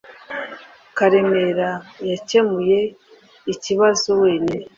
Karemera yakemuye ikibazo wenyine.